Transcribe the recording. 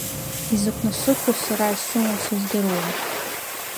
Изакә насыԥу сара исымоу сыздыруам…